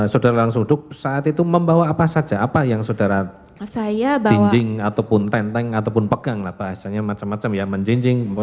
saudara langsung duduk saat itu membawa apa saja apa yang saudara jinjing ataupun tenteng ataupun pegang lah bahasanya macam macam ya menjinjing